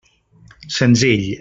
Senzill.